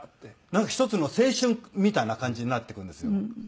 なんか一つの青春みたいな感じになってくるんですよ。